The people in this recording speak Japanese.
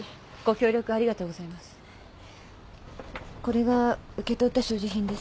これが受け取った所持品です。